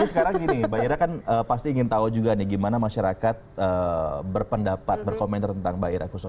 tapi sekarang gini mbak ira kan pasti ingin tahu juga nih gimana masyarakat berpendapat berkomentar tentang mbak ira kusno